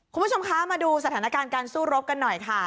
คุณผู้ชมคะมาดูสถานการณ์การสู้รบกันหน่อยค่ะ